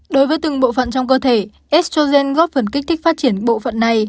đối với từng bộ phận trong cơ thể estrogen góp phần kích thích phát triển bộ phận này